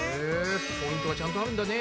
ポイントがちゃんとあるんだね。